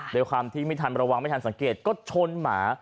โดยความที่ไม่ทันระวังไม่ทันสังเกตก็ชนหมา